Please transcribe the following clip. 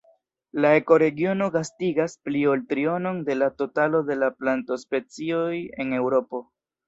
La ekoregiono gastigas pli ol trionon de la totalo de la plantospecioj en Eŭropo.